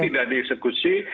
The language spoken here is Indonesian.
tapi tidak di eksekusi